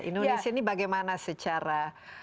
indonesia ini bagaimana secara